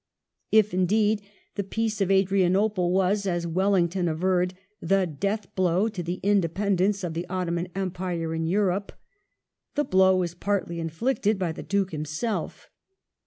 If, indeed, the Peace of Adrianople was, as Wellington averred, the death blow to the independence of the Ottoman Empire in Europe, the blow was J partly inflicted by the Duke himself.